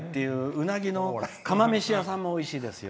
釜飯屋さんもおいしいですよ